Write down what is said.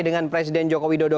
dengan presiden joko widodo